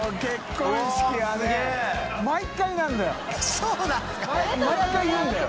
毎回言うんだよ！